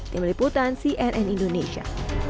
tim liputan cnn indonesia